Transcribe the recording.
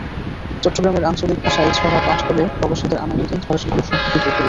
চট্টগ্রামের আঞ্চলিক ভাষায় ছড়া পাঠ করে প্রবাসীদের আনন্দ দেন ছড়াশিল্পী সুব্রত চৌধুরি।